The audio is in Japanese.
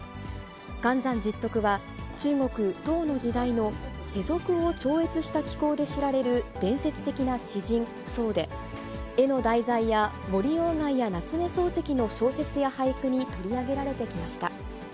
寒山拾得は、中国、唐の時代の世俗を超越した奇行で知られる伝説的な詩人、僧で、絵の題材や森鴎外や夏目漱石の小説や俳句に取り上げられてきました。